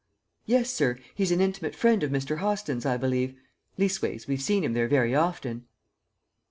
"Yes, sir; he's an intimate friend of Mr. Hostin's, I believe. Leastways, we've seen him there very often."